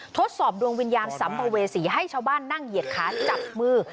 ทดสอบดวงวิญญาณสัมภเวษีให้ชาวบ้านนั่งเหยียดขาจับมือ